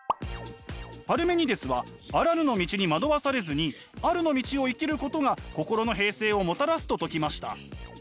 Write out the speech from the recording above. パルメニデスはあらぬの道に惑わされずにあるの道を生きることが心の平静をもたらすと説きました。